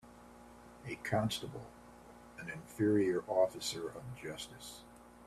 A constable an inferior officer of justice